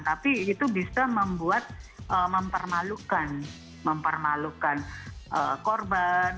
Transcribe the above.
tapi itu bisa membuat mempermalukan mempermalukan korban